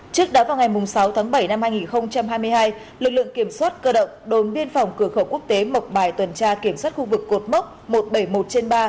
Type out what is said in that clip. trước đó vào ngày sáu tháng bảy năm hai nghìn hai mươi hai lực lượng kiểm soát cơ động đồn biên phòng cửa khẩu quốc tế mộc bài tuần tra kiểm soát khu vực cột mốc một trăm bảy mươi một trên ba